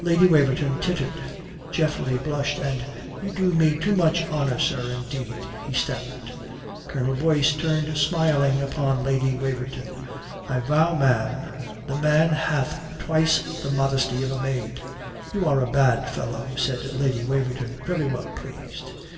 Lady Waverton tittered. Geoffrey blushed, and "You do me too much honour sir, indeed," he stammered. Colonel Boyce turned smiling upon Lady Waverton. "I vow, ma'am, a man hath twice the modesty of a maid." "You are a bad fellow," said Lady Waverton, very well pleased.